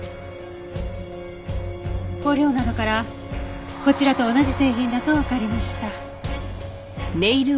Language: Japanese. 香料などからこちらと同じ製品だとわかりました。